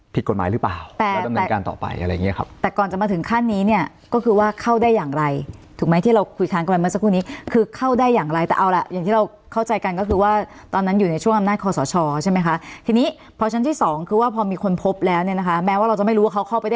ผิดกฎหมายหรือเปล่าแล้วดำเนินการต่อไป